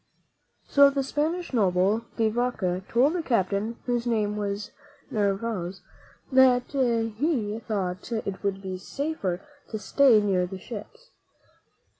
s So the Spanish noble, De Vaca, told the captain, whose name was Narvaez, that he thought it would be safer to stay near the ships.